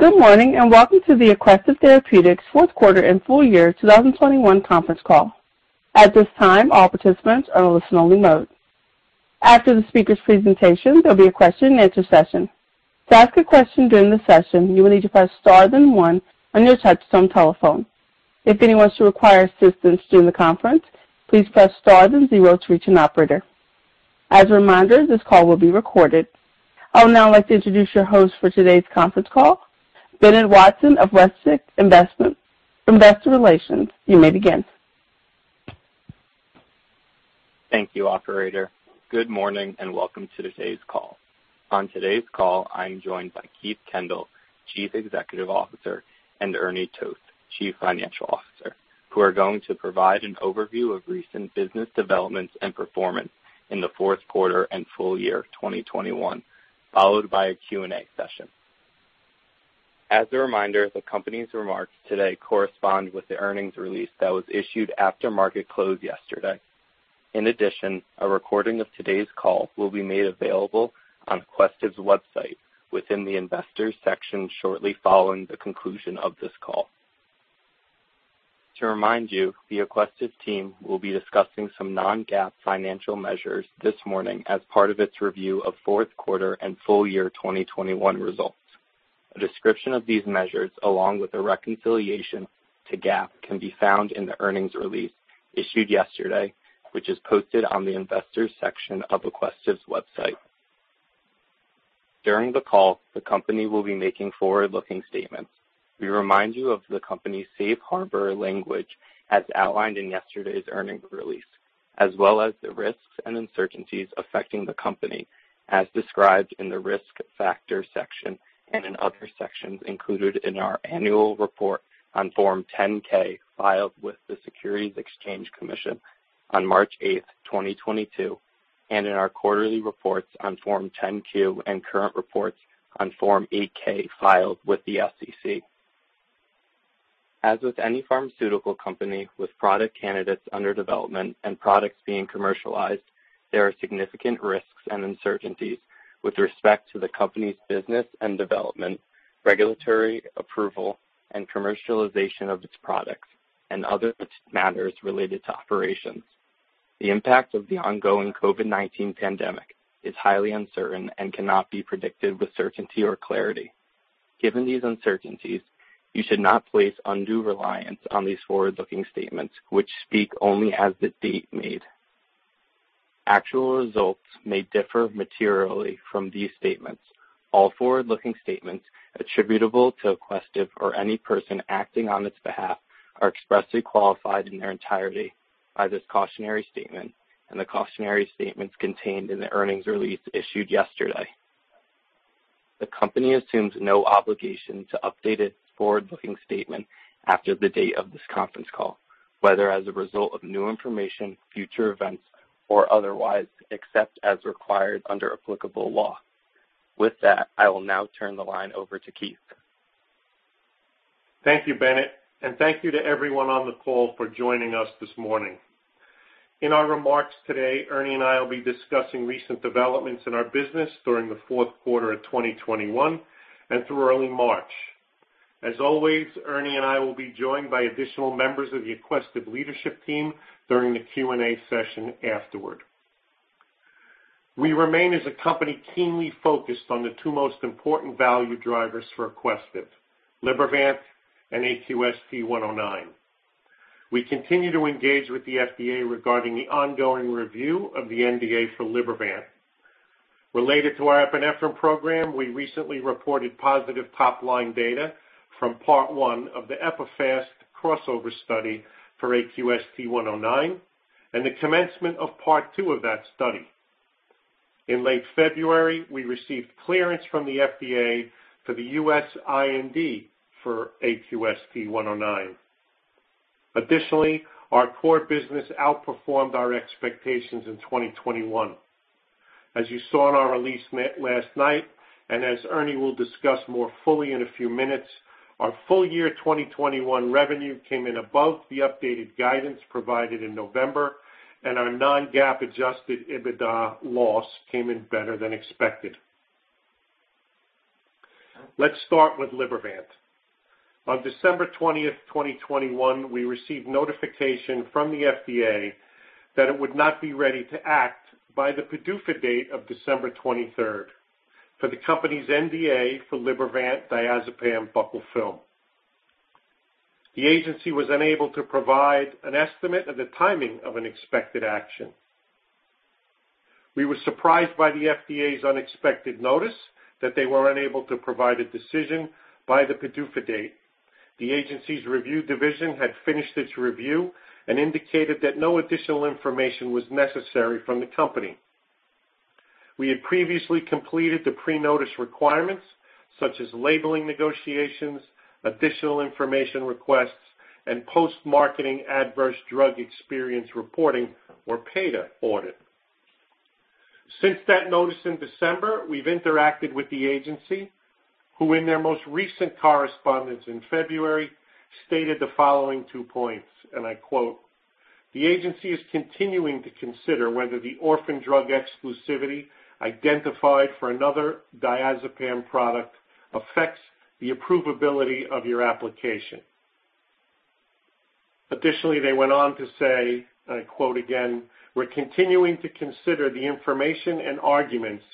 Good morning, and welcome to the Aquestive Therapeutics Fourth Quarter and Full Year 2021 Conference Call. At this time, all participants are in a listen-only mode. After the speaker's presentation, there'll be a question and answer session. To ask a question during the session, you will need to press star then one on your touchtone telephone. If anyone should require assistance during the conference, please press star then zero to reach an operator. As a reminder, this call will be recorded. I would now like to introduce your host for today's conference call, Bennett Watson of ICR Westwicke, Investor Relations. You may begin. Thank you, operator. Good morning, and welcome to today's call. On today's call, I am joined by Keith Kendall, Chief Executive Officer, and Ernie Toth, Chief Financial Officer, who are going to provide an overview of recent business developments and performance in the fourth quarter and full year 2021, followed by a Q&A session. As a reminder, the company's remarks today correspond with the earnings release that was issued after market close yesterday. In addition, a recording of today's call will be made available on Aquestive's website within the Investors section shortly following the conclusion of this call. To remind you, the Aquestive team will be discussing some non-GAAP financial measures this morning as part of its review of fourth quarter and full year 2021 results. A description of these measures, along with a reconciliation to GAAP, can be found in the earnings release issued yesterday, which is posted on the Investors section of Aquestive's website. During the call, the company will be making forward-looking statements. We remind you of the company's safe harbor language as outlined in yesterday's earnings release, as well as the risks and uncertainties affecting the company as described in the Risk Factors section and in other sections included in our annual report on Form 10-K filed with the Securities and Exchange Commission on March 8, 2022, and in our quarterly reports on Form 10-Q and current reports on Form 8-K filed with the SEC. As with any Pharmaceutical company with product candidates under development and products being commercialized, there are significant risks and uncertainties with respect to the company's business and development, regulatory approval, and commercialization of its products and other matters related to operations. The impact of the ongoing COVID-19 pandemic is highly uncertain and cannot be predicted with certainty or clarity. Given these uncertainties, you should not place undue reliance on these forward-looking statements which speak only as of the date made. Actual results may differ materially from these statements. All forward-looking statements attributable to Aquestive or any person acting on its behalf are expressly qualified in their entirety by this cautionary statement and the cautionary statements contained in the earnings release issued yesterday. The company assumes no obligation to update its forward-looking statement after the date of this conference call, whether as a result of new information, future events, or otherwise, except as required under applicable law. With that, I will now turn the line over to Keith. Thank you, Bennett, and thank you to everyone on the call for joining us this morning. In our remarks today, Ernie and I will be discussing recent developments in our business during the fourth quarter of 2021 and through early March. As always, Ernie and I will be joined by additional members of the Aquestive leadership team during the Q&A session afterward. We remain as a company keenly focused on the two most important value drivers for Aquestive, Libervant and AQST-109. We continue to engage with the FDA regarding the ongoing review of the NDA for Libervant. Related to our epinephrine program, we recently reported positive top-line data from part 1 of the EPIPHAST crossover study for AQST-109 and the commencement of part 2 of that study. In late February, we received clearance from the FDA for the U.S. IND for AQST-109. Additionally, our core business outperformed our expectations in 2021. As you saw in our release last night, and as Ernie will discuss more fully in a few minutes, our full year 2021 revenue came in above the updated guidance provided in November, and our non-GAAP adjusted EBITDA loss came in better than expected. Let's start with Libervant. On December 20, 2021, we received notification from the FDA that it would not be ready to act by the PDUFA date of December 23 for the company's NDA for Libervant diazepam buccal film. The agency was unable to provide an estimate of the timing of an expected action. We were surprised by the FDA's unexpected notice that they were unable to provide a decision by the PDUFA date. The agency's review division had finished its review and indicated that no additional information was necessary from the company. We had previously completed the pre-notice requirements such as labeling negotiations, additional information requests, and post-marketing adverse drug experience reporting or PADER audit. Since that notice in December, we've interacted with the agency, who in their most recent correspondence in February stated the following two points, and I quote. "The agency is continuing to consider whether the orphan drug exclusivity identified for another diazepam product affects the approvability of your application." Additionally, they went on to say, and I quote again, "We're continuing to consider the information and arguments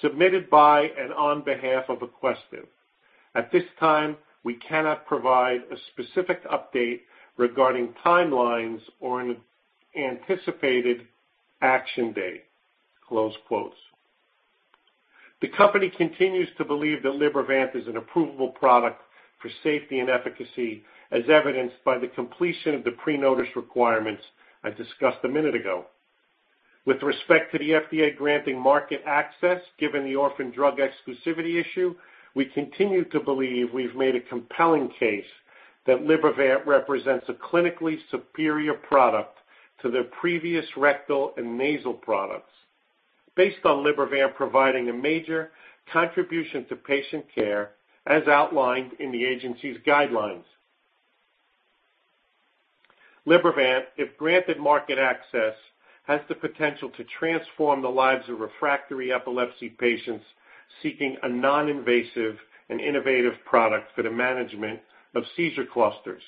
submitted by and on behalf of Aquestive. At this time, we cannot provide a specific update regarding timelines or an anticipated action date." The company continues to believe that Libervant is an approvable product for safety and efficacy, as evidenced by the completion of the pre-notice requirements I discussed a minute ago. With respect to the FDA granting market access, given the orphan drug exclusivity issue, we continue to believe we've made a compelling case that Libervant represents a clinically superior product to their previous rectal and nasal products based on Libervant providing a major contribution to patient care as outlined in the agency's guidelines. Libervant, if granted market access, has the potential to transform the lives of refractory epilepsy patients seeking a non-invasive and innovative product for the management of seizure clusters.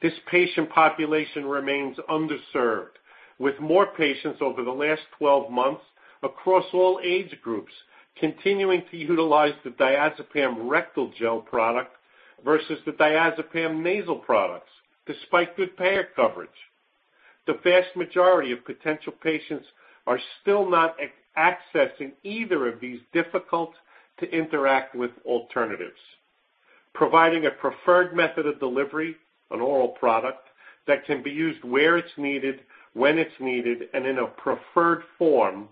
This patient population remains underserved, with more patients over the last 12 months across all age groups continuing to utilize the diazepam rectal gel product versus the diazepam nasal products despite good payer coverage. The vast majority of potential patients are still not accessing either of these difficult-to-interact-with alternatives. Providing a preferred method of delivery, an oral product that can be used where it's needed, when it's needed, and in a preferred form,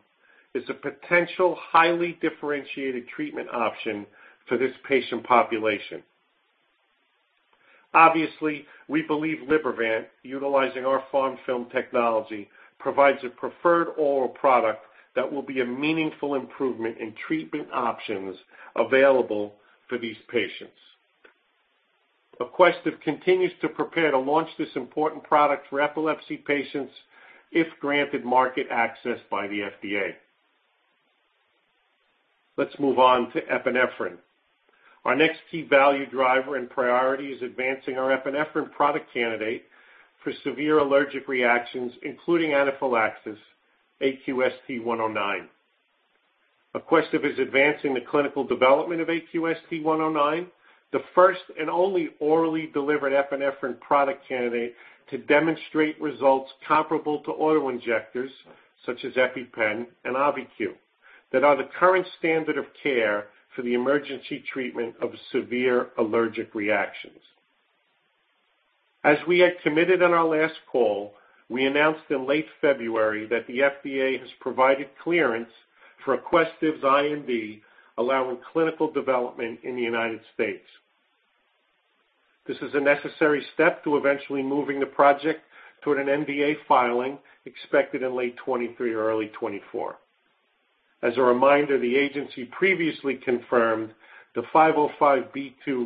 is a potential highly differentiated treatment option for this patient population. Obviously, we believe Libervant, utilizing our PharmFilm technology, provides a preferred oral product that will be a meaningful improvement in treatment options available for these patients. Aquestive continues to prepare to launch this important product for epilepsy patients if granted market access by the FDA. Let's move on to epinephrine. Our next key value driver and priority is advancing our epinephrine product candidate for severe allergic reactions, including anaphylaxis, AQST-109. Aquestive is advancing the clinical development of AQST-109, the first and only orally delivered epinephrine product candidate to demonstrate results comparable to autoinjectors such as EpiPen and Auvi-Q that are the current standard of care for the emergency treatment of severe allergic reactions. As we had committed on our last call, we announced in late February that the FDA has provided clearance for Aquestive's IND, allowing clinical development in the United States. This is a necessary step to eventually moving the project toward an NDA filing expected in late 2023 or early 2024. As a reminder, the agency previously confirmed the 505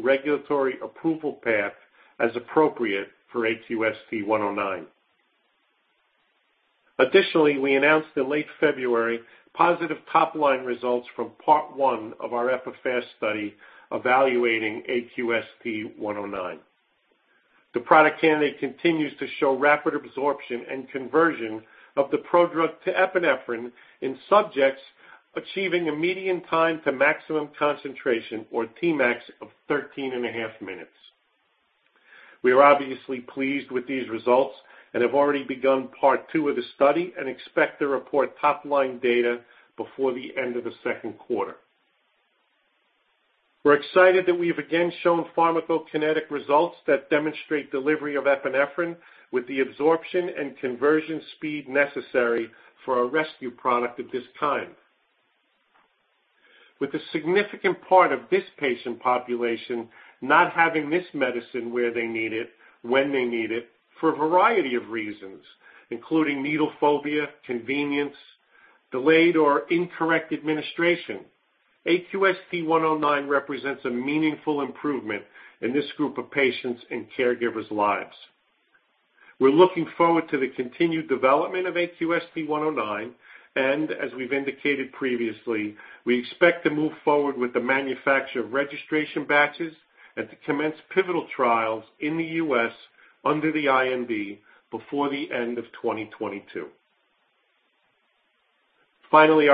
regulatory approval path as appropriate for AQST-109. Additionally, we announced in late February positive top-line results from part 1 of our EPIPHAST study evaluating AQST-109. The product candidate continues to show rapid absorption and conversion of the prodrug to epinephrine in subjects achieving a median time to maximum concentration or Tmax of 13.5 minutes. We are obviously pleased with these results and have already begun part 2 of the study and expect to report top-line data before the end of the second quarter. We're excited that we have again shown pharmacokinetic results that demonstrate delivery of epinephrine with the absorption and conversion speed necessary for a rescue product of this kind. With a significant part of this patient population not having this medicine where they need it, when they need it for a variety of reasons, including needle phobia, convenience, delayed or incorrect administration, AQST-109 represents a meaningful improvement in this group of patients' and caregivers' lives. We're looking forward to the continued development of AQST-109, and as we've indicated previously, we expect to move forward with the manufacture of registration batches and to commence pivotal trials in the U.S. under the IND before the end of 2022. Finally,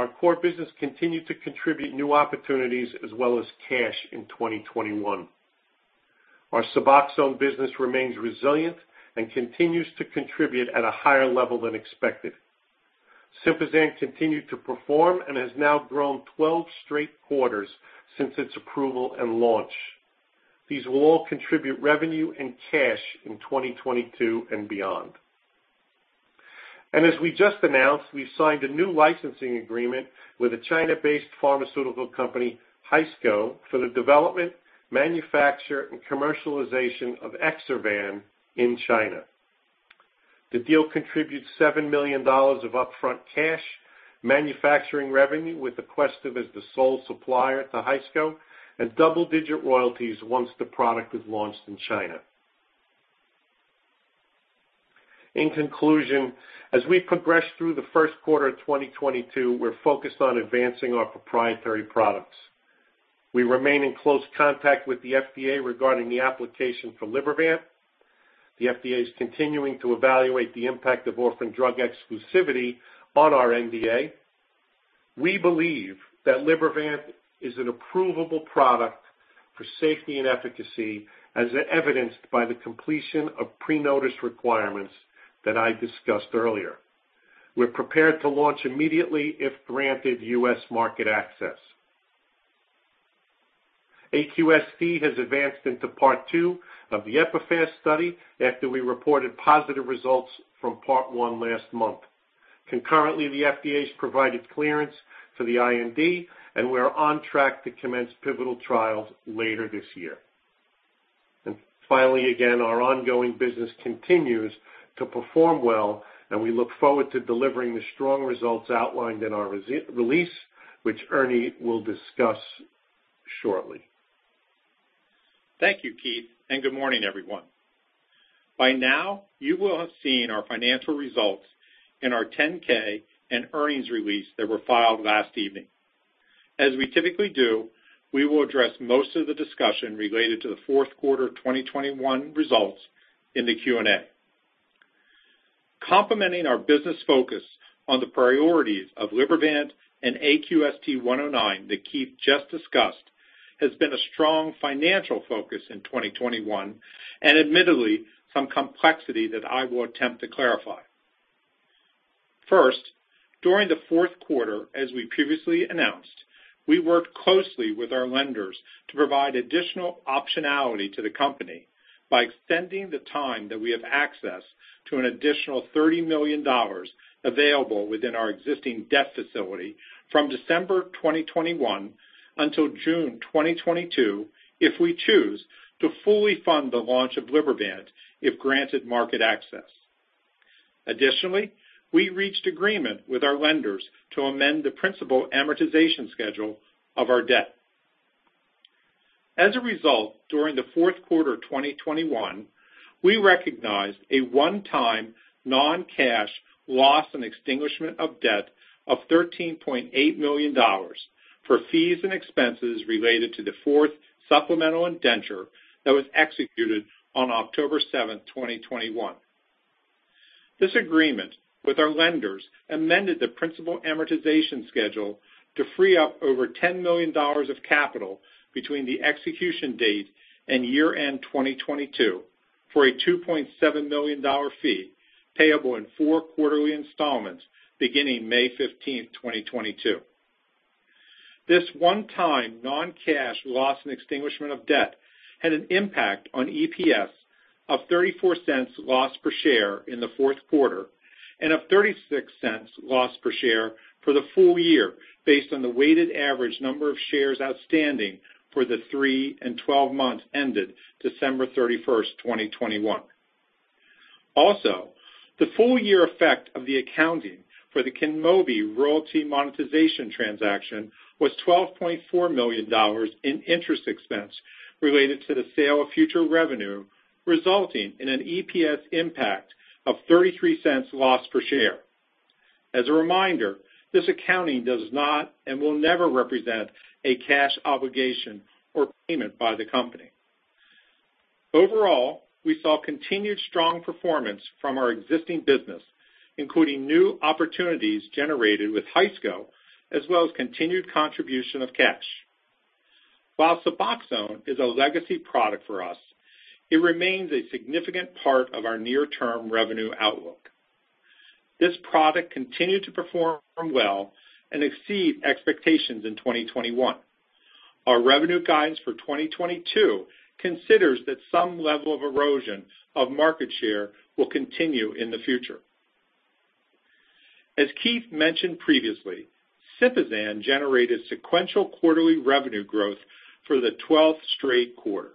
our core business continued to contribute new opportunities as well as cash in 2021. Our SUBOXONE business remains resilient and continues to contribute at a higher level than expected. Simponi continued to perform and has now grown 12 straight quarters since its approval and launch. These will all contribute revenue and cash in 2022 and beyond. As we just announced, we signed a new licensing agreement with a China-based Pharmaceutical company, Haisco, for the development, manufacture and commercialization of EXSERVAN in China. The deal contributes $7 million of upfront cash, manufacturing revenue with Aquestive as the sole supplier to Haisco and double-digit royalties once the product is launched in China. In conclusion, as we progress through the first quarter of 2022, we're focused on advancing our proprietary products. We remain in close contact with the FDA regarding the application for Libervant. The FDA is continuing to evaluate the impact of orphan drug exclusivity on our NDA. We believe that Libervant is an approvable product for safety and efficacy, as evidenced by the completion of pre-notice requirements that I discussed earlier. We're prepared to launch immediately if granted U.S. market access. AQST has advanced into part 2 of the EPIPHAST study after we reported positive results from part 1 last month. Concurrently, the FDA's provided clearance to the IND, and we are on track to commence pivotal trials later this year. Finally, again, our ongoing business continues to perform well, and we look forward to delivering the strong results outlined in our press release, which Ernie will discuss shortly. Thank you, Keith, and good morning, everyone. By now, you will have seen our financial results in our 10-K and earnings release that were filed last evening. As we typically do, we will address most of the discussion related to the fourth quarter 2021 results in the Q&A. Complementing our business focus on the priorities of Libervant and AQST-109 that Keith just discussed, has been a strong financial focus in 2021, and admittedly some complexity that I will attempt to clarify. First, during the fourth quarter, as we previously announced, we worked closely with our lenders to provide additional optionality to the company by extending the time that we have access to an additional $30 million available within our existing debt facility from December 2021 until June 2022, if we choose to fully fund the launch of Libervant, if granted market access. Additionally, we reached agreement with our lenders to amend the principal amortization schedule of our debt. As a result, during the fourth quarter of 2021, we recognized a one-time non-cash loss on extinguishment of debt of $13.8 million for fees and expenses related to the fourth supplemental indenture that was executed on October 7, 2021. This agreement with our lenders amended the principal amortization schedule to free up over $10 million of capital between the execution date and year-end 2022 for a $2.7 million fee payable in four quarterly installments beginning May 15, 2022. This one-time non-cash loss and extinguishment of debt had an impact on EPS of $0.34 loss per share in the fourth quarter and of $0.36 loss per share for the full year based on the weighted average number of shares outstanding for the three and 12 months ended December 31, 2021. Also, the full year effect of the accounting for the KYNMOBI royalty monetization transaction was $12.4 million in interest expense related to the sale of future revenue, resulting in an EPS impact of $0.33 loss per share. As a reminder, this accounting does not and will never represent a cash obligation or payment by the company. Overall, we saw continued strong performance from our existing business, including new opportunities generated with Haisco, as well as continued contribution of cash. While SUBOXONE is a legacy product for us, it remains a significant part of our near-term revenue outlook. This product continued to perform well and exceed expectations in 2021. Our revenue guidance for 2022 considers that some level of erosion of market share will continue in the future. As Keith mentioned previously, SYMPAZAN generated sequential quarterly revenue growth for the 12th straight quarter.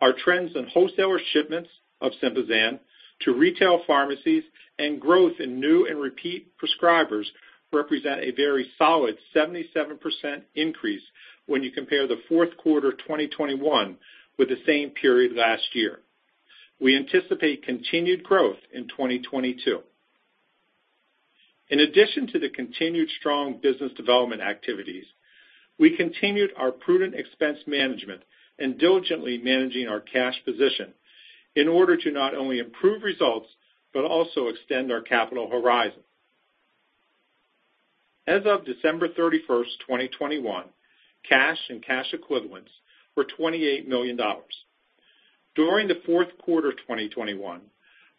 Our trends in wholesaler shipments of SYMPAZAN to retail pharmacies and growth in new and repeat prescribers represent a very solid 77% increase when you compare the fourth quarter 2021 with the same period last year. We anticipate continued growth in 2022. In addition to the continued strong business development activities, we continued our prudent expense management and diligently managing our cash position in order to not only improve results but also extend our capital horizon. As of December 31, 2021, cash and cash equivalents were $28 million. During the fourth quarter of 2021,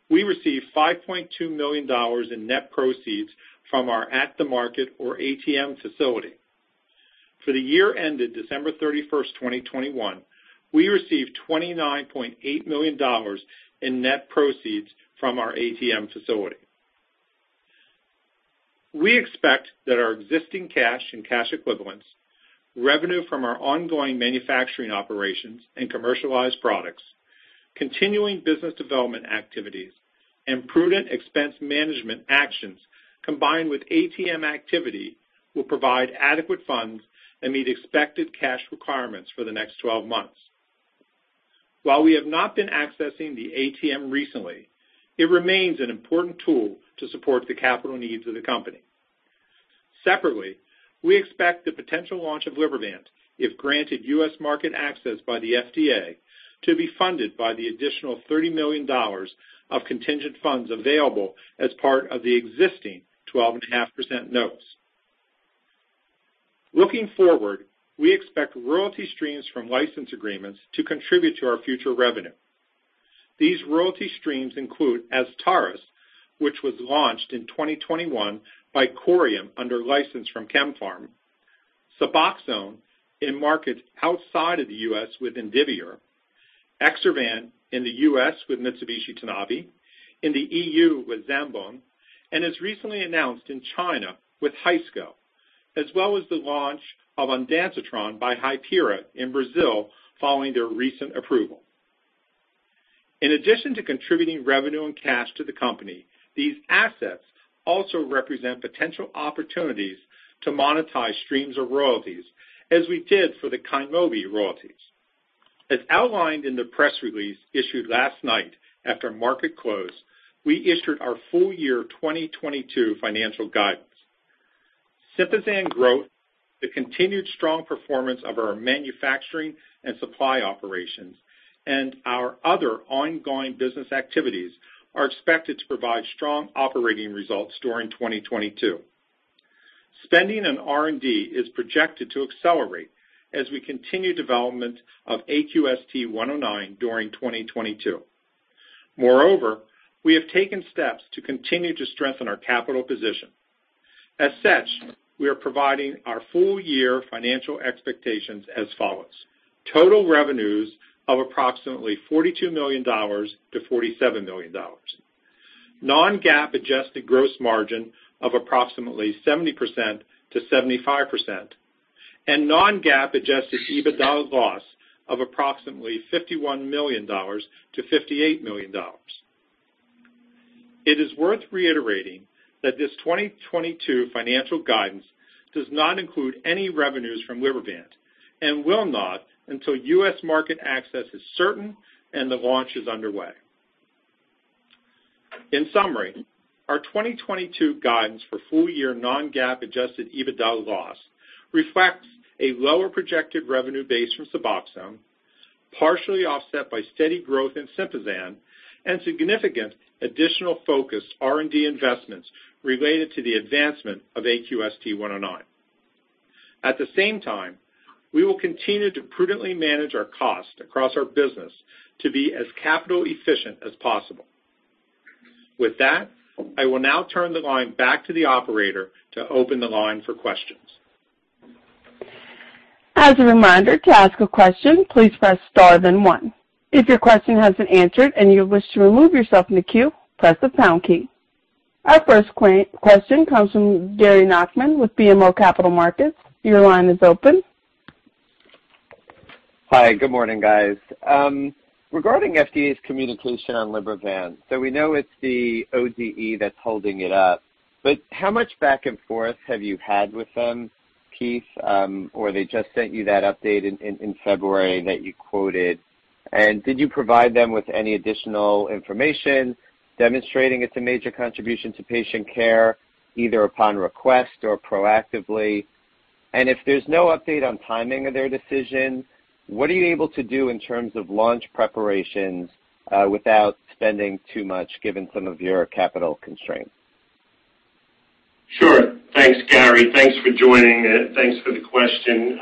we received $5.2 million in net proceeds from our at the market or ATM facility. For the year ended December 31, 2021, we received $29.8 million in net proceeds from our ATM facility. We expect that our existing cash and cash equivalents, revenue from our ongoing manufacturing operations and commercialized products, continuing business development activities, and prudent expense management actions combined with ATM activity will provide adequate funds and meet expected cash requirements for the next 12 months. While we have not been accessing the ATM recently, it remains an important tool to support the capital needs of the company. Separately, we expect the potential launch of Libervant, if granted U.S. market access by the FDA, to be funded by the additional $30 million of contingent funds available as part of the existing 12.5% notes. Looking forward, we expect royalty streams from license agreements to contribute to our future revenue. These royalty streams include AZSTARYS, which was launched in 2021 by Corium under license from KemPharm, SUBOXONE in markets outside of the U.S. with Indivior, EXSERVAN in the U.S. with Mitsubishi Tanabe, in the EU with Zambon, and as recently announced in China with Haisco, as well as the launch of Ondif by Hypera in Brazil following their recent approval. In addition to contributing revenue and cash to the company, these assets also represent potential opportunities to monetize streams or royalties as we did for the KYNMOBI royalties. As outlined in the press release issued last night after market close, we issued our full-year 2022 financial guidance. SYMPAZAN growth, the continued strong performance of our manufacturing and supply operations, and our other ongoing business activities are expected to provide strong operating results during 2022. Spending on R&D is projected to accelerate as we continue development of AQST-109 during 2022. Moreover, we have taken steps to continue to strengthen our capital position. As such, we are providing our full-year financial expectations as follows. Total revenues of approximately $42 million-$47 million. Non-GAAP adjusted gross margin of approximately 70%-75%. non-GAAP adjusted EBITDA loss of approximately $51 million-$58 million. It is worth reiterating that this 2022 financial guidance does not include any revenues from Libervant and will not until U.S. market access is certain and the launch is underway. In summary, our 2022 guidance for full-year non-GAAP adjusted EBITDA loss reflects a lower projected revenue base from SUBOXONE, partially offset by steady growth in SYMPAZAN and significant additional focused R&D investments related to the advancement of AQST-109. At the same time, we will continue to prudently manage our cost across our business to be as capital efficient as possible. With that, I will now turn the line back to the operator to open the line for questions. As a reminder, to ask a question, please press star then one. If your question hasn't been answered and you wish to remove yourself from the queue, press the pound key. Our first question comes from Gary Nachman with BMO Capital Markets. Your line is open. Hi, good morning, guys. Regarding FDA's communication on Libervant, so we know it's the ODE that's holding it up, but how much back and forth have you had with them, Keith, or they just sent you that update in February that you quoted? And did you provide them with any additional information demonstrating it's a major contribution to patient care, either upon request or proactively? And if there's no update on timing of their decision, what are you able to do in terms of launch preparations, without spending too much given some of your capital constraints? Sure. Thanks, Gary. Thanks for joining. Thanks for the question.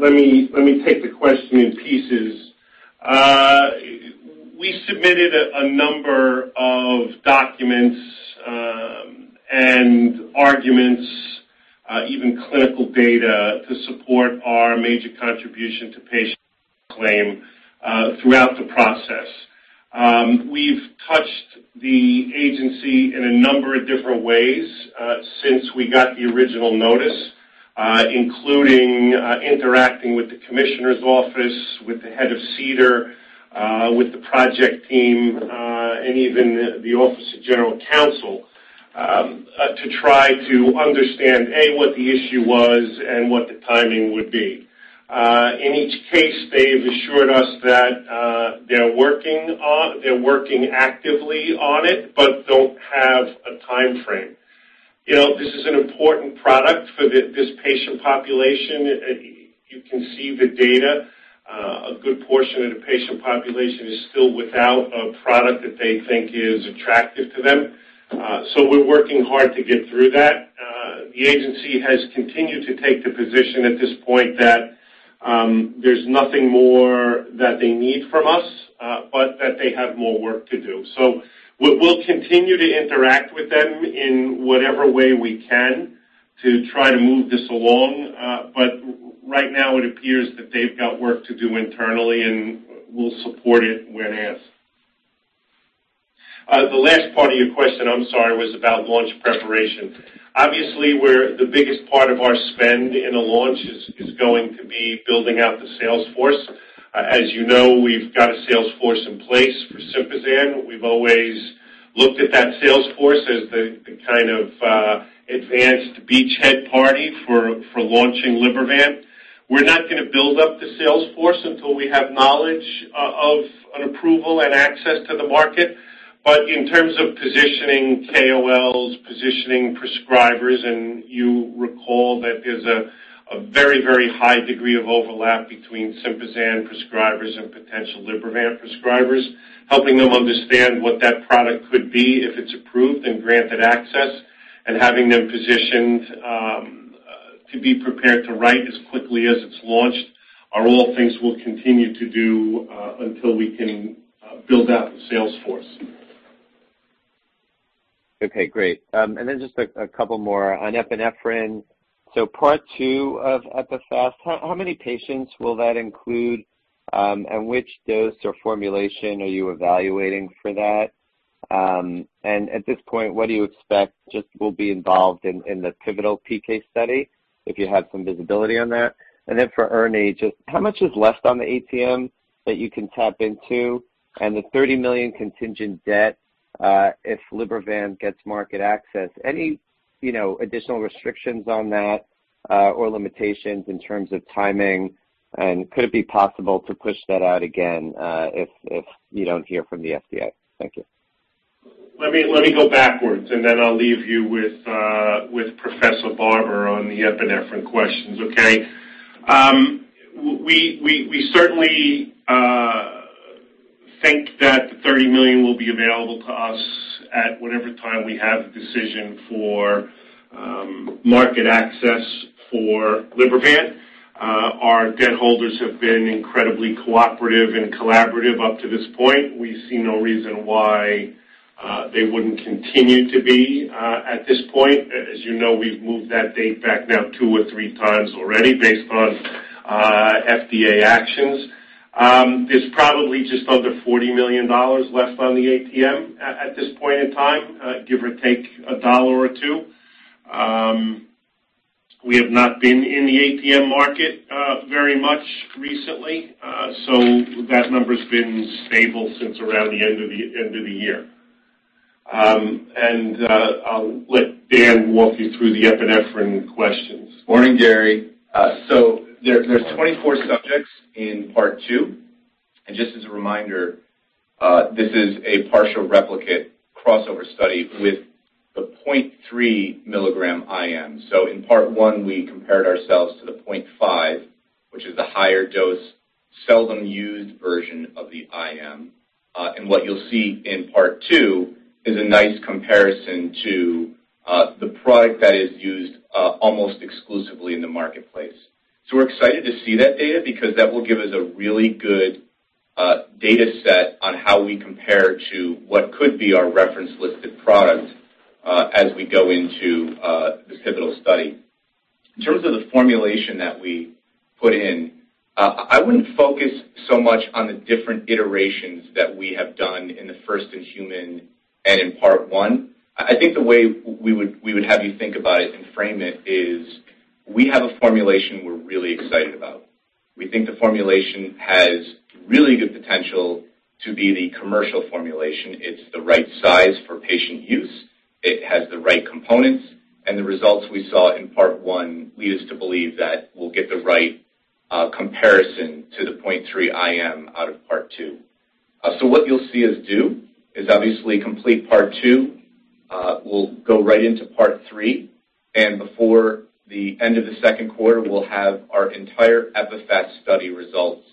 Let me take the question in pieces. We submitted a number of documents and arguments, even clinical data to support our major contribution to patent claim throughout the process. We've touched the agency in a number of different ways since we got the original notice, including interacting with the commissioner's office, with the head of CDER, with the project team, and even the Office of General Counsel to try to understand what the issue was and what the timing would be. In each case, they have assured us that they're working actively on it, but don't have a timeframe. You know, this is an important product for this patient population. You can see the data. A good portion of the patient population is still without a product that they think is attractive to them. We're working hard to get through that. The agency has continued to take the position at this point that there's nothing more that they need from us, but that they have more work to do. We'll continue to interact with them in whatever way we can to try to move this along. Right now it appears that they've got work to do internally, and we'll support it when asked. The last part of your question, I'm sorry, was about launch preparation. Obviously, the biggest part of our spend in a launch is going to be building out the sales force. As you know, we've got a sales force in place for SYMPAZAN. We've always looked at that sales force as the kind of advanced beachhead party for launching Libervant. We're not gonna build up the sales force until we have knowledge of an approval and access to the market. In terms of positioning KOLs, positioning prescribers, and you recall that there's a very high degree of overlap between SYMPAZAN prescribers and potential Libervant prescribers, helping them understand what that product could be if it's approved and granted access, and having them positioned to be prepared to write as quickly as it's launched are all things we'll continue to do until we can build out the sales force. Okay. Great. And then just a couple more on epinephrine. Part 2 of EPIPHAST, how many patients will that include? And which dose or formulation are you evaluating for that? And at this point, what do you expect just will be involved in the pivotal PK study, if you have some visibility on that? For Ernie, just how much is left on the ATM that you can tap into? The $30 million contingent debt, if Libervant gets market access, any, you know, additional restrictions on that, or limitations in terms of timing, and could it be possible to push that out again, if you don't hear from the FDA? Thank you. Let me go backwards, and then I'll leave you with Daniel Barber on the epinephrine questions. Okay? We certainly think that the $30 million will be available to us at whatever time we have a decision for market access for Libervant. Our debt holders have been incredibly cooperative and collaborative up to this point. We see no reason why they wouldn't continue to be at this point. As you know, we've moved that date back now 2 or 3 times already based on FDA actions. There's probably just under $40 million left on the ATM at this point in time, give or take a dollar or two. We have not been in the ATM market very much recently. That number's been stable since around the end of the year. I'll let Dan walk you through the epinephrine questions. Morning, Gary. There's 24 subjects in part 2. Just as a reminder, this is a partial replicate crossover study with the 0.3 mg IM. In part 1, we compared ourselves to the 0.5, which is the higher dose, seldom used version of the IM. What you'll see in part 2 is a nice comparison to the product that is used almost exclusively in the marketplace. We're excited to see that data because that will give us a really good data set on how we compare to what could be our reference listed product as we go into this pivotal study. In terms of the formulation that we put in, I wouldn't focus so much on the different iterations that we have done in the first-in-human and in part 1. I think the way we would have you think about it and frame it is we have a formulation we're really excited about. We think the formulation has really good potential to be the commercial formulation. It's the right size for patient use, it has the right components, and the results we saw in part 1 lead us to believe that we'll get the right comparison to the 0.3 IM out of part 2. What you'll see us do is obviously complete part 2. We'll go right into part 3, and before the end of the second quarter, we'll have our entire EPIPHAST study results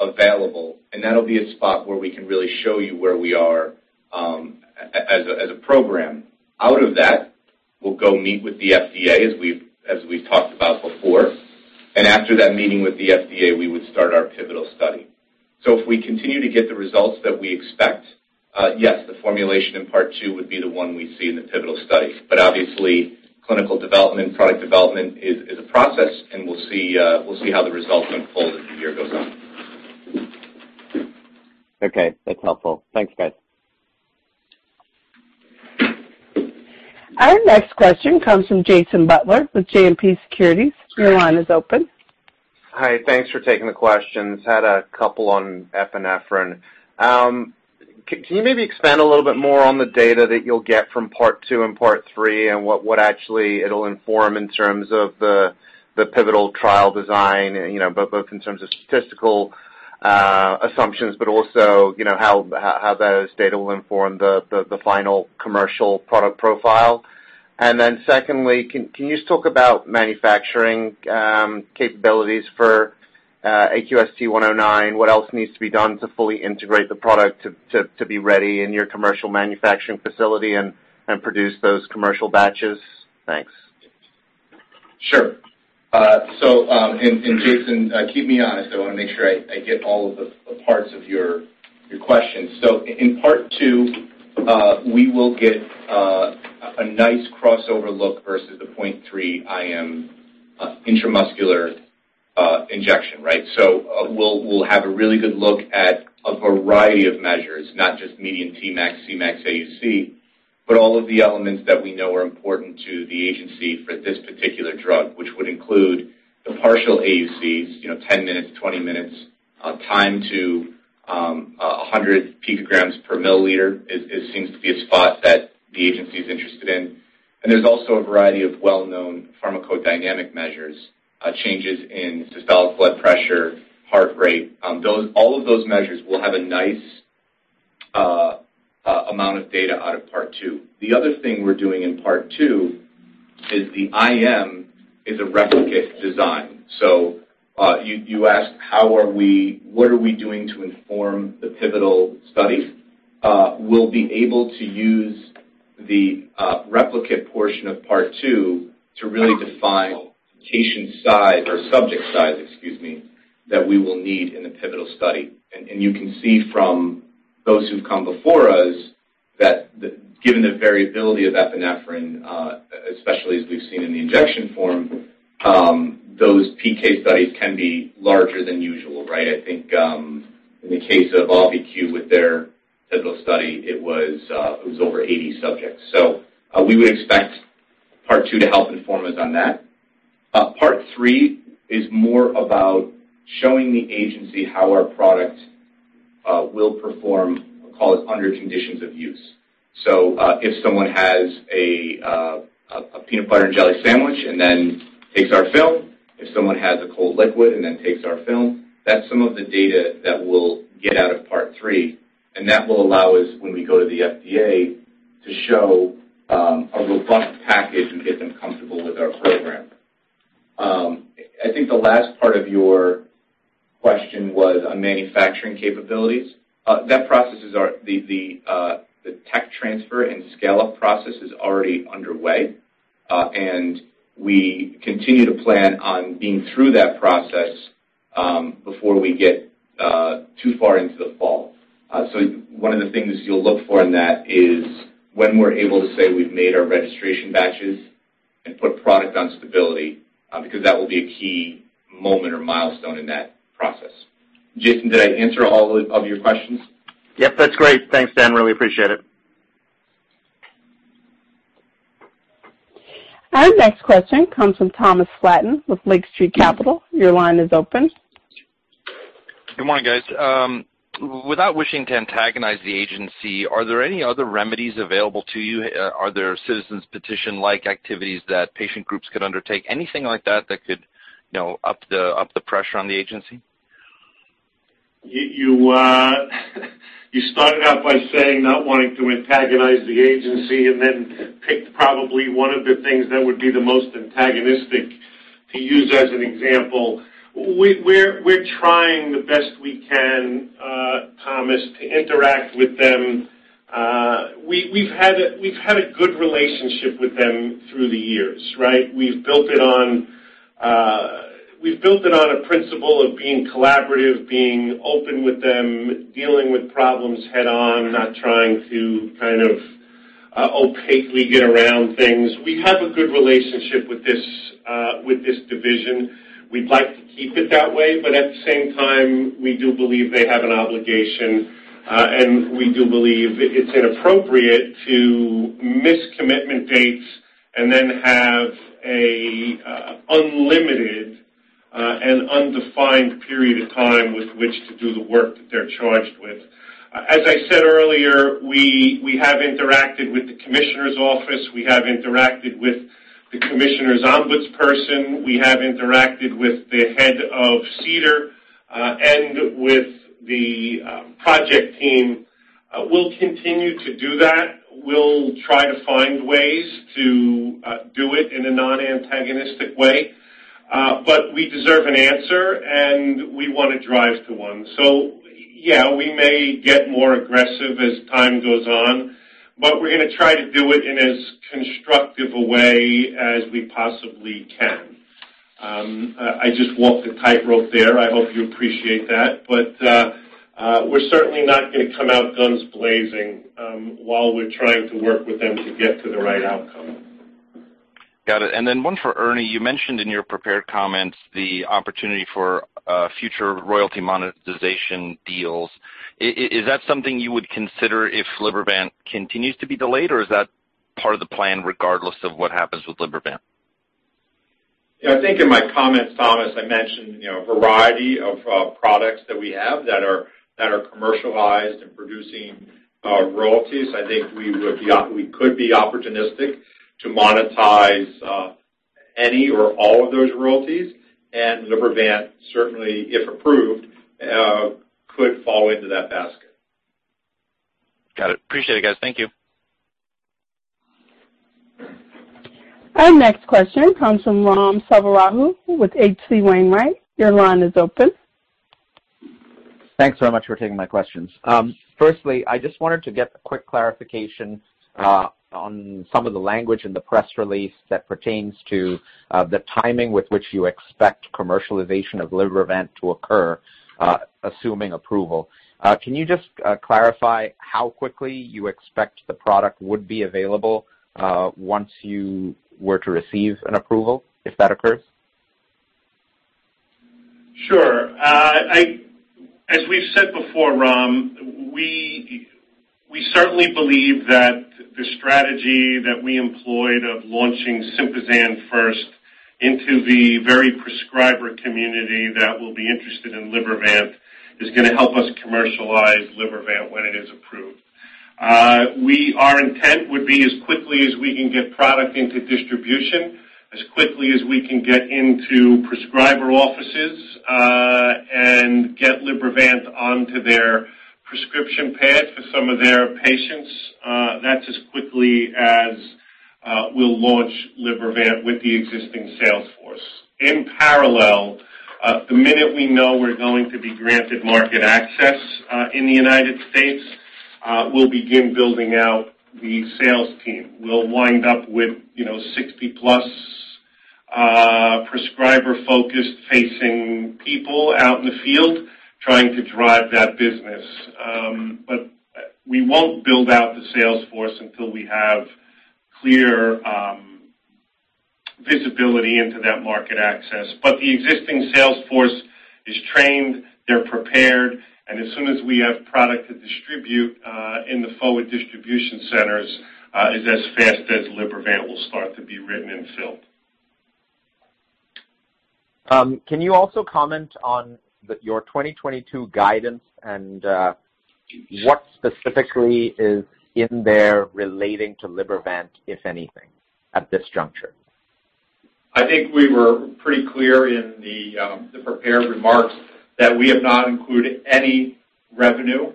available. That'll be a spot where we can really show you where we are as a program. Out of that, we'll go meet with the FDA as we've talked about before. After that meeting with the FDA, we would start our pivotal study. If we continue to get the results that we expect, yes, the formulation in part 2 would be the one we see in the pivotal study. Obviously, clinical development, product development is a process, and we'll see how the results unfold as the year goes on. Okay. That's helpful. Thanks, guys. Our next question comes from Jason Butler with JMP Securities. Your line is open. Hi. Thanks for taking the questions. Had a couple on epinephrine. Can you maybe expand a little bit more on the data that you'll get from part 2 and part 3 and what actually it'll inform in terms of the pivotal trial design, you know, both in terms of statistical assumptions, but also, you know, how those data will inform the final commercial product profile? And then secondly, can you just talk about manufacturing capabilities for AQST-109? What else needs to be done to fully integrate the product to be ready in your commercial manufacturing facility and produce those commercial batches? Thanks. Sure. Jason, keep me honest. I want to make sure I get all of the parts of your question. In part 2, we will get a nice crossover look versus the 0.3 IM intramuscular injection, right? We'll have a really good look at a variety of measures, not just median Tmax, Cmax, AUC, but all of the elements that we know are important to the agency for this particular drug, which would include the partial AUCs, you know, 10 minutes, 20 minutes, time to 100 picograms per milliliter, which seems to be a spot that the agency is interested in. There's also a variety of well-known pharmacodynamic measures, changes in systolic blood pressure, heart rate. All of those measures will have a nice amount of data out of Part 2. The other thing we're doing in Part 2 is the IM is a replicate design. You asked what we are doing to inform the pivotal studies. We'll be able to use the replicate portion of Part 2 to really define patient size or subject size, excuse me, that we will need in the pivotal study. You can see from those who've come before us that given the variability of epinephrine, especially as we've seen in the injection form, those PK studies can be larger than usual, right? I think in the case of Auvi-Q with their pivotal study, it was over 80 subjects. We would expect Part 2 to help inform us on that. Part 3 is more about showing the agency how our product will perform, we call it under conditions of use. If someone has a peanut butter and jelly sandwich and then takes our film, if someone has a cold liquid and then takes our film, that's some of the data that we'll get out of Part 3, and that will allow us, when we go to the FDA, to show a robust package and get them comfortable with our program. I think the last part of your question was on manufacturing capabilities. That process, the tech transfer and scale-up process, is already underway, and we continue to plan on being through that process before we get too far into the fall. One of the things you'll look for in that is when we're able to say we've made our registration batches and put product on stability, because that will be a key moment or milestone in that process. Jason, did I answer all of your questions? Yep, that's great. Thanks, Dan. I really appreciate it. Our next question comes from Thomas Flaten with Lake Street Capital. Your line is open. Good morning, guys. Without wishing to antagonize the agency, are there any other remedies available to you? Are there citizens petition-like activities that patient groups could undertake? Anything like that could, you know, up the pressure on the agency? You started out by saying not wanting to antagonize the agency and then picked probably one of the things that would be the most antagonistic to use as an example. We're trying the best we can, Thomas, to interact with them. We've had a good relationship with them through the years, right? We've built it on a principle of being collaborative, being open with them, dealing with problems head on, not trying to kind of opaquely get around things. We have a good relationship with this division. We'd like to keep it that way, but at the same time, we do believe they have an obligation, and we do believe it's inappropriate to miss commitment dates and then have a unlimited and undefined period of time with which to do the work that they're charged with. As I said earlier, we have interacted with the commissioner's office. We have interacted with the commissioner's ombudsman. We have interacted with the head of CDER, and with the project team. We'll continue to do that. We'll try to find ways to do it in a non-antagonistic way, but we deserve an answer, and we wanna drive to one. Yeah, we may get more aggressive as time goes on, but we're gonna try to do it in as constructive a way as we possibly can. I just walked a tightrope there. I hope you appreciate that. We're certainly not gonna come out guns blazing, while we're trying to work with them to get to the right outcome. Got it. One for Ernie. You mentioned in your prepared comments the opportunity for future royalty monetization deals. Is that something you would consider if Libervant continues to be delayed, or is that part of the plan regardless of what happens with Libervant? Yeah. I think in my comments, Thomas, I mentioned, you know, a variety of products that we have that are commercialized and producing royalties. I think we could be opportunistic to monetize any or all of those royalties. Libervant, certainly, if approved, could fall into that basket. Got it. Appreciate it, guys. Thank you. Our next question comes from Ram Selvaraju with H.C. Wainwright. Your line is open. Thanks so much for taking my questions. Firstly, I just wanted to get a quick clarification on some of the language in the press release that pertains to the timing with which you expect commercialization of Libervant to occur, assuming approval. Can you just clarify how quickly you expect the product would be available once you were to receive an approval, if that occurs? Sure. As we've said before, Ram, we certainly believe that the strategy that we employed of launching SYMPAZAN first into the very prescriber community that will be interested in Libervant is gonna help us commercialize Libervant when it is approved. Our intent would be as quickly as we can get product into distribution, as quickly as we can get into prescriber offices, and get Libervant onto their prescription pad for some of their patients, that's as quickly as we'll launch Libervant with the existing sales force. In parallel, the minute we know we're going to be granted market access in the United States, we'll begin building out the sales team. We'll wind up with, you know, 60+ prescriber-focused facing people out in the field trying to drive that business. We won't build out the sales force until we have clear visibility into that market access. The existing sales force is trained, they're prepared, and as soon as we have product to distribute in the forward distribution centers is as fast as Libervant will start to be written and filled. Can you also comment on your 2022 guidance and what specifically is in there relating to Libervant, if anything, at this juncture? I think we were pretty clear in the prepared remarks that we have not included any revenue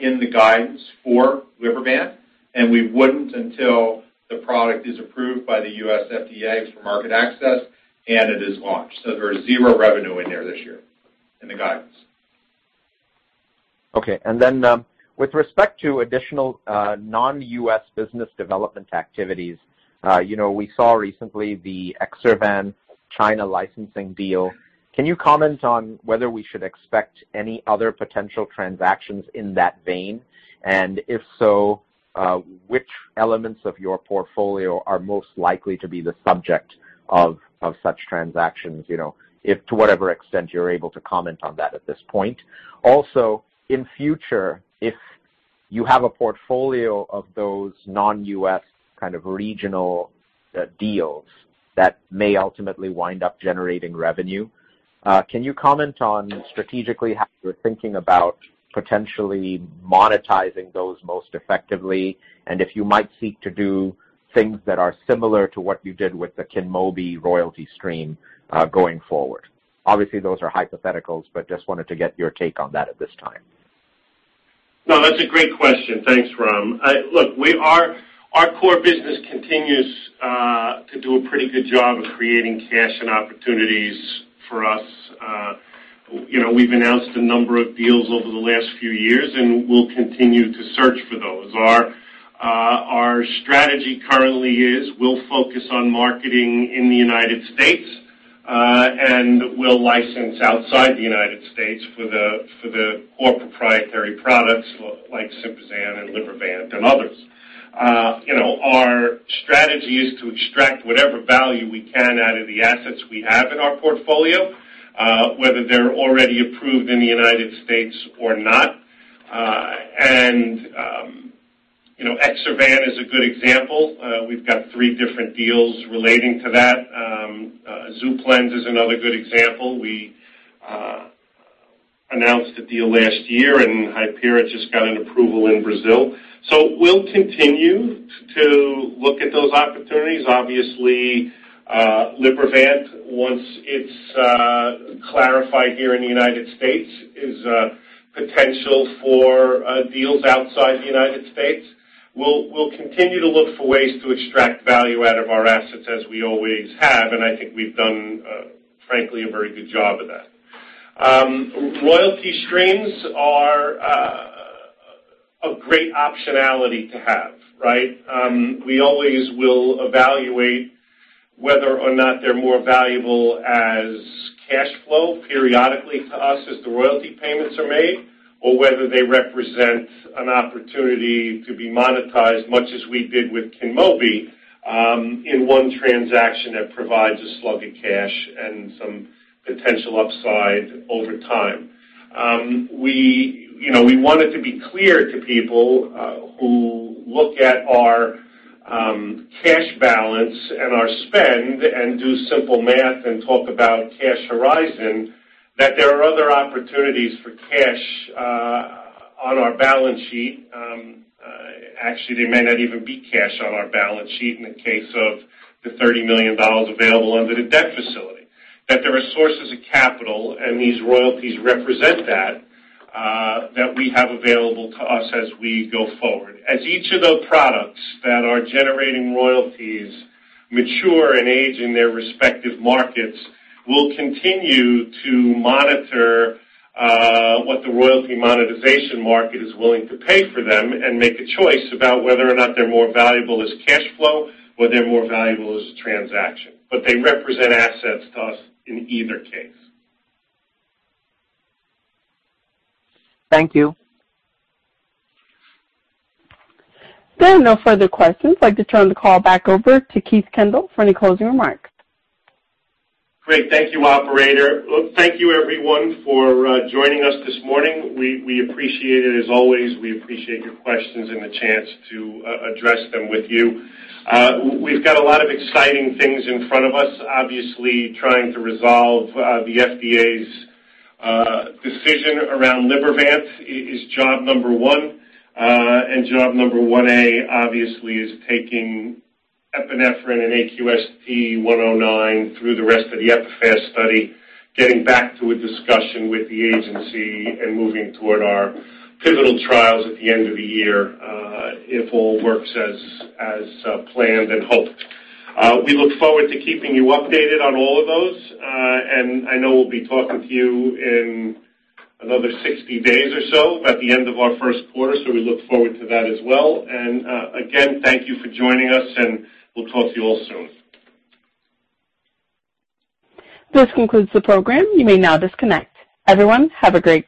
in the guidance for Libervant, and we wouldn't until the product is approved by the U.S. FDA for market access, and it is launched. There is zero revenue in there this year in the guidance. Okay. With respect to additional non-U.S. business development activities, you know, we saw recently the EXSERVAN China licensing deal. Can you comment on whether we should expect any other potential transactions in that vein? And if so, which elements of your portfolio are most likely to be the subject of such transactions, you know, if to whatever extent you're able to comment on that at this point. Also, in future, if you have a portfolio of those non-U.S. kind of regional deals that may ultimately wind up generating revenue, can you comment on strategically how you're thinking about potentially monetizing those most effectively, and if you might seek to do things that are similar to what you did with the KYNMOBI royalty stream, going forward? Obviously, those are hypotheticals, but just wanted to get your take on that at this time. No, that's a great question. Thanks, Ram. Look, our core business continues to do a pretty good job of creating cash and opportunities for us. You know, we've announced a number of deals over the last few years, and we'll continue to search for those. Our strategy currently is we'll focus on marketing in the United States, and we'll license outside the United States for the core proprietary products like SYMPAZAN and Libervant and others. You know, our strategy is to extract whatever value we can out of the assets we have in our portfolio, whether they're already approved in the United States or not. You know, EXSERVAN is a good example. We've got three different deals relating to that. Zuplenz is another good example. We announced a deal last year, and Hypera just got an approval in Brazil. We'll continue to look at those opportunities. Obviously, Libervant, once it's clarified here in the United States, is a potential for deals outside the United States. We'll continue to look for ways to extract value out of our assets as we always have, and I think we've done, frankly, a very good job of that. Royalty streams are a great optionality to have, right? We always will evaluate whether or not they're more valuable as cash flow periodically to us as the royalty payments are made or whether they represent an opportunity to be monetized much as we did with KYNMOBI, in one transaction that provides a slug of cash and some potential upside over time. You know, we want it to be clear to people who look at our cash balance and our spend and do simple math and talk about cash horizon, that there are other opportunities for cash on our balance sheet. Actually, there may not even be cash on our balance sheet in the case of the $30 million available under the debt facility. That there are sources of capital, and these royalties represent that we have available to us as we go forward. As each of those products that are generating royalties mature and age in their respective markets, we'll continue to monitor what the royalty monetization market is willing to pay for them and make a choice about whether or not they're more valuable as cash flow or they're more valuable as a transaction. They represent assets to us in either case. Thank you. There are no further questions. I'd like to turn the call back over to Keith Kendall for any closing remarks. Great. Thank you, operator. Look, thank you everyone for joining us this morning. We appreciate it as always. We appreciate your questions and the chance to address them with you. We've got a lot of exciting things in front of us, obviously trying to resolve the FDA's decision around Libervant is job number one, and job number one A obviously is taking epinephrine and AQST-109 through the rest of the EPIPHAST study, getting back to a discussion with the agency and moving toward our pivotal trials at the end of the year, if all works as planned and hoped. We look forward to keeping you updated on all of those. I know we'll be talking to you in another 60 days or so at the end of our first quarter. We look forward to that as well. Again, thank you for joining us, and we'll talk to you all soon. This concludes the program. You may now disconnect. Everyone, have a great day.